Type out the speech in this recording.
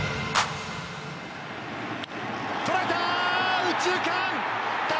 捉えた！